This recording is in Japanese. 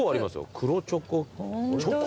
黒チョコ。